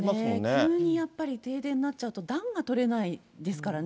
急にやっぱり停電になっちゃうと、暖がとれないですからね。